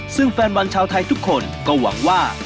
ซึ่งแฟนบอลชาวไทยทุกคนก็หวังว่า